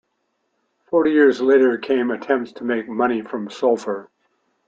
Forty years later came attempts to make money from sulphur.